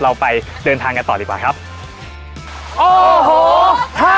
เราไปเดินทางกันต่อดีกว่าครับโอ้โห